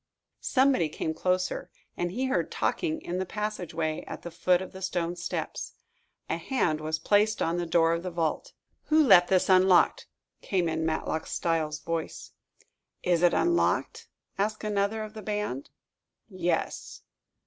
Somebody came closer, and he heard talking in the passageway at the foot of the stone steps. A hand was placed on the door of the vault. "Who left this unlocked?" came in Matlock Styles' voice. "Is it unlocked?" asked another of the band. "Yes."